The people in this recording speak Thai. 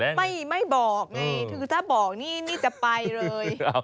ลุงพิษไม่บอกไงถึงถ้าบอกนี่นี่จะไปเลย